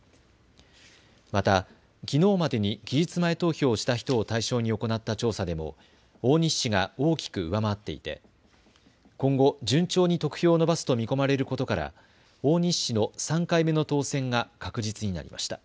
また、きのうまでに期日前投票をした人を対象に行った調査でも大西氏が大きく上回っていて今後順調に得票を伸ばすと見込まれることから大西氏の３回目の当選が確実になりました。